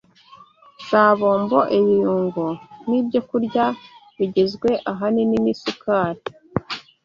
za bombo, ibirungo n’ibyokurya bigizwe ahanini n’isukari